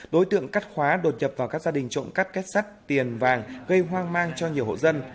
đối tượng cắt khóa đột nhập vào các gia đình trộm cắt kết sắt tiền vàng gây hoang mang cho nhiều hộ dân